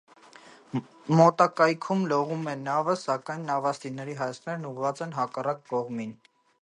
Մոտակայքում լողում է նավը, սակայն նավաստիների հայացքներն ուղղված են հակառակ կողմին։